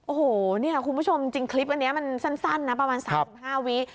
โอ้โหเนี่ยคุณผู้ชมจริงคลิปอันนี้มันสั้นนะประมาณ๓๕วิ